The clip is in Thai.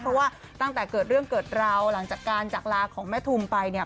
เพราะว่าตั้งแต่เกิดเรื่องเกิดราวหลังจากการจากลาของแม่ทุมไปเนี่ย